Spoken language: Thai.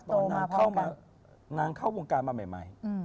ตอนนางเข้าวงการมาใหม่